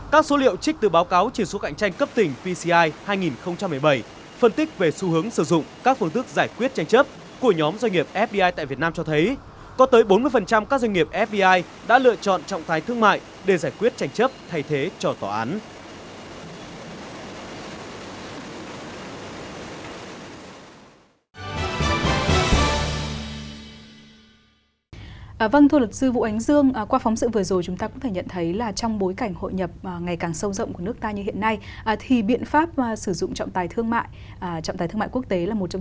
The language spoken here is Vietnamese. các số liệu trích từ báo cáo chỉ số cạnh tranh cấp tỉnh pci hai nghìn một mươi bảy